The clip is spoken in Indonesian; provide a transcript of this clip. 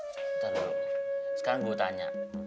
bentar dulu sekarang saya tanya